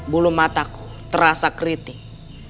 bulu mataku terasa keriting